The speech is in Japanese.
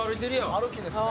歩きですね。